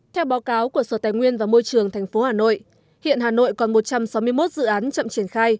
theo báo cáo của sở tài nguyên và môi trường tp hà nội hiện hà nội còn một trăm sáu mươi một dự án chậm triển khai